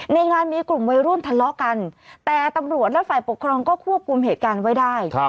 ในงานมีกลุ่มวัยรุ่นทะเลาะกันแต่ตำรวจและฝ่ายปกครองก็ควบคุมเหตุการณ์ไว้ได้